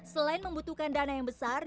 selain membutuhkan dana yang besar